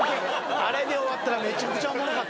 あれで終わったらめちゃくちゃおもろかった。